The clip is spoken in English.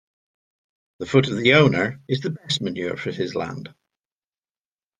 The foot of the owner is the best manure for his land.